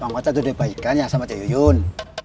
pang ocad sudah dibaikkan ya sama ceyuyun